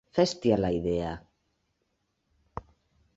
Fes-t'hi a la idea!